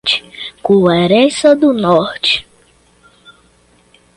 Querência do Norte